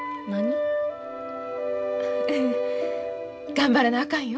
頑張らなあかんよ。